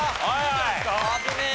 危ねえ。